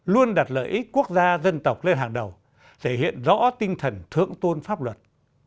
luôn đặt lợi ích quốc gia dân tộc lên hàng đầu thể hiện rõ tinh thần thượng tôn pháp luật